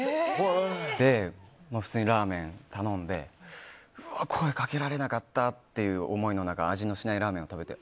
普通にラーメンを頼んでうわ声掛けられなかったという思いの中味のしないラーメンを食べて。